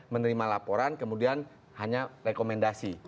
menerima laporan kemudian hanya rekomendasi